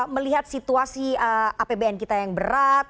melihat situasi apbn kita yang berat